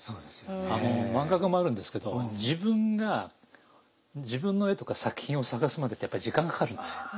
あの漫画家もあるんですけど自分が自分の絵とか作品を探すまでって時間がかかるんですよ。